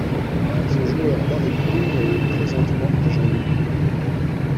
Ce joueur d'arrêt-court est présentement agent libre.